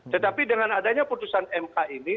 tetapi dengan adanya putusan mk ini